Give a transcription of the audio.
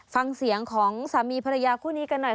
ฟังเสียงของสามีภรรยาคู่นี้กันหน่อย